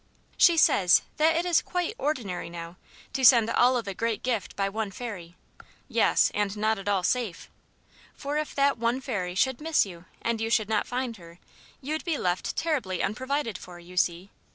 She says that it is considered quite 'ordinary' now, to send all of a great gift by one fairy yes, and not at all safe. For if that one fairy should miss you and you should not find her, you'd be left terribly unprovided for, you see.